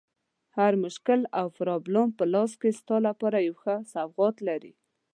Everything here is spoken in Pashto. هر مشکل او پرابلم په لاس کې ستا لپاره یو ښه سوغات لري.